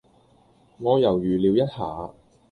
我猶豫了一下